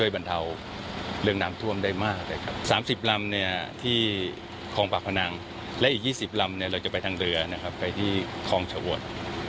ไปคลองปากพนังและอีก๒๐ลำเราจะไปทางเรือไปที่คลองฉวด